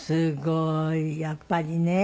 やっぱりね。